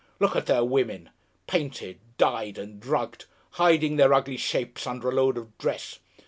Look at their women! Painted, dyed and drugged, hiding their ugly shapes under a load of dress!